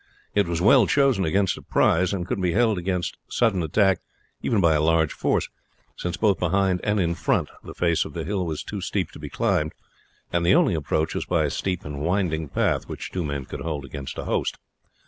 It was well chosen against surprise, and could be held against sudden attack even by a large force, since both behind and in front the face of the hill was too steep to be climbed, and the only approach was by a steep and winding path which two men could hold against a host.